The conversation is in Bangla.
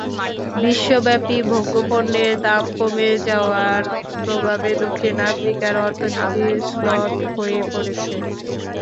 বিশ্বব্যাপী ভোগ্যপণ্যের দাম কমে যাওয়ার প্রভাবে দক্ষিণ আফ্রিকার অর্থনীতি শ্লথ হয়ে পড়েছে।